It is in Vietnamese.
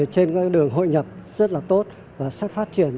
trên cái đường hội nhập rất là tốt và sắp phát triển